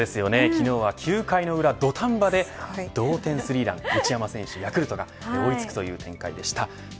昨日は９回の裏、土壇場で同点スリーラン、内山選手ヤクルトが追い付くという展開でした。